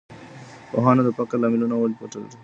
پوهانو د فقر لاملونه وپلټل.